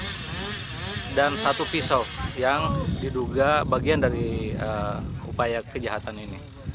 kita menemukan satu tulang rusuk dan satu pisau yang diduga bagian dari upaya kejahatan